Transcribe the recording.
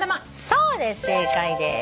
そうです正解です。